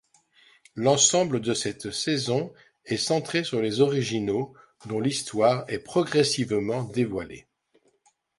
L'ensemble de cette saison est centrée sur les Originaux, dont l'histoire est progressivement dévoilée.